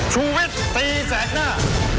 ชุวิตตีแสดหน้า